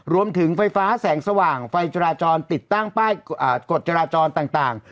รวมถึงไฟฟ้าแสงสว่างไฟจราจรติดตั้งป้ายกฎจราจรต่าง